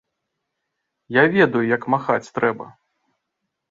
Я ведаю, як махаць трэба!